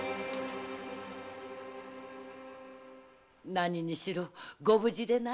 何にしろご無事でなにより。